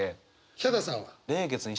ヒャダさんは？